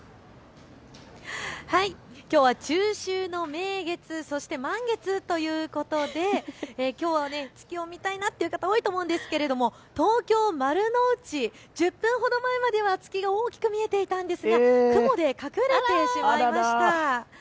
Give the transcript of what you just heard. きょうは中秋の名月、そして満月ということできょうは月を見たいなという方多いと思うんですけど東京丸の内、１０分ほど前までは月が大きく見えていたんですが雲で隠れてしまいました。